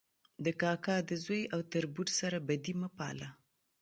د کاکا د زوی او تربور سره بدي مه پاله